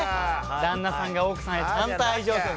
旦那さんが奥さんにちゃんと愛情表現。